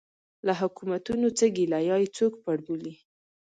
له حکومتونو څه ګیله یا یې څوک پړ بولي.